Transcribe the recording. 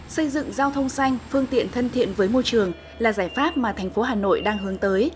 xây dựng giao thông xanh phương tiện thân thiện với môi trường là giải pháp mà thành phố hà nội đang hướng tới